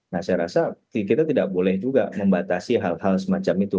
nah saya rasa kita tidak boleh juga membatasi hal hal semacam itu